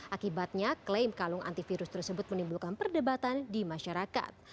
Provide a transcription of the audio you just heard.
akibatnya klaim kalung antivirus tersebut menimbulkan perdebatan di masyarakat